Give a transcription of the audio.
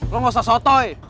lo gak usah sotoy